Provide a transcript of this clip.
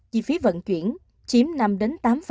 chi phí vận chuyển chiếm năm tám